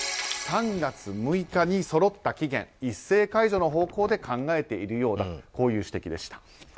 ３月６日にそろった期限一斉解除の方向で考えているようだという指摘です。